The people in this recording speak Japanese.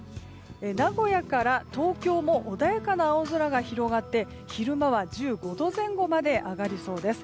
名古屋から東京も穏やかな青空が広がって昼間は１５度前後まで上がりそうです。